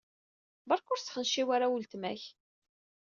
Beṛka ur sxenciw ara weltma-k.